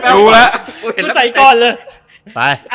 กูใส่ก้อนเลย